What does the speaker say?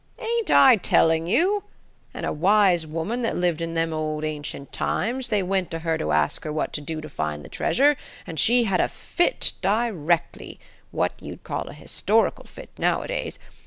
"Ain't I telling you? An' a wise woman that lived in them old ancient times, they went to her to ask her what to do to find the treasure, and she had a fit directly, what you'd call a historical fit nowadays.